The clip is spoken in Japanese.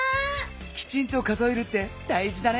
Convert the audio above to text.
きちんと数えるってだいじだね。